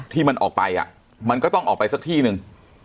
ที่มันออกไปอ่ะมันก็ต้องออกไปที่นึง